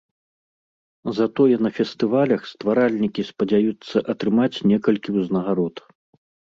Затое на фестывалях стваральнікі спадзяюцца атрымаць некалькі ўзнагарод.